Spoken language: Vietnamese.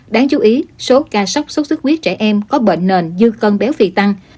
đáng chú ý số ca sốc xuất huyết trẻ em có bệnh nền dư cân béo phì tăng